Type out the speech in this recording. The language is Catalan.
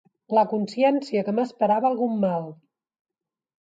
La consciència que m'esperava algun mal